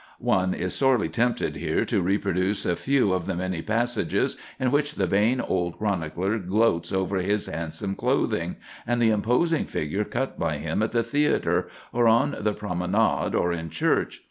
One is sorely tempted here to reproduce a few of the many passages in which the vain old chronicler gloats over his handsome clothing, and the imposing figure cut by him at the theatre, or on the promenade, or in church.